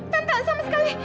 tante sama sekali